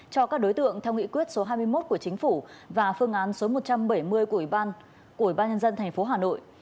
cho các đối tượng theo nghị quyết số hai mươi một của chính phủ và phương án số một trăm bảy mươi của ủy ban nhân dân thành phố hà nội